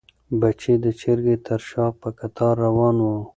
بچي د چرګې تر شا په کتار روان وو.